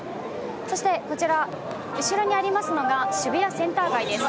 そして、こちら後ろにありますのが渋谷センター街です。